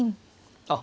あっ。